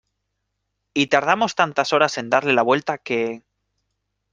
y tardamos tantas horas en darle la vuelta que...